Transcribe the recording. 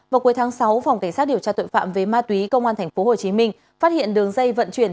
vào cuối tháng sáu phòng cảnh sát điều tra tội phạm về ma túy công an tp hcm phát hiện đường dây vận chuyển